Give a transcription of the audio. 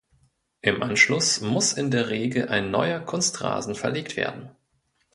Im Anschluss muss in der Regel ein neuer Kunstrasen verlegt werden.